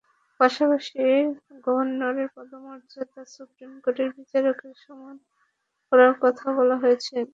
পাশাপাশি গভর্নরের পদমর্যাদা সুপ্রিম কোর্টের বিচারকের সমান করার কথাও বলা হয়েছিল।